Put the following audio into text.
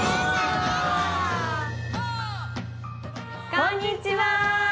こんにちは！